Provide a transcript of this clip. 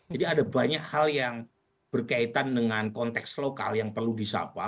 jadi ada banyak hal yang berkaitan dengan konteks lokal yang perlu disapa